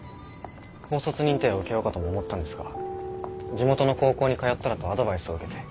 高卒認定を受けようかとも思ったんですが地元の高校に通ったらとアドバイスを受けて。